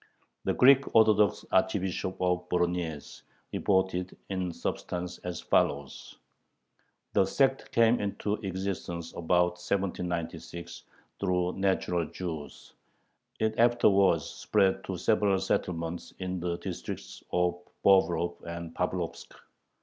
The Greek Orthodox Archbishop of Voronyezh reported, in substance, as follows: The sect came into existence about 1796 "through natural Jews." It afterwards spread to several settlements in the districts of Bobrov and Pavlovsk.